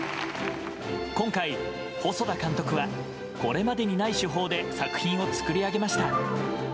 今回、細田監督はこれまでにない手法で作品を作り上げました。